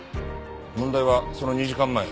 問題はその２時間前。